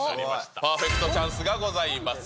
パーフェクトチャンスがございます。